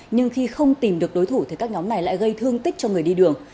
nhưng khi không tìm được đối thủ thì các nhóm này lại gây thương tích cho người đi đường